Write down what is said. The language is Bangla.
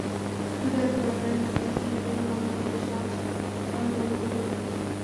শুধু একটা ব্যাপারে ঘাটতি আছে, সেটা হলো নন্দনতত্ত্ব, সহজ করে বললে গভীরতা।